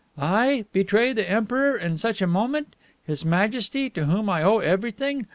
'I! Betray the Emperor in such a moment! His Majesty, to whom I owe everything!